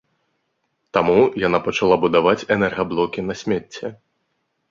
Таму яна пачала будаваць энергаблокі на смецці.